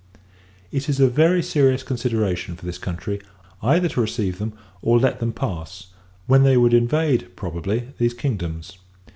It is a very serious consideration for this country, either to receive them, or let them pass; when they would invade, probably, these kingdoms.